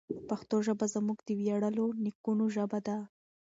پښتو ژبه زموږ د ویاړلو نیکونو ژبه ده.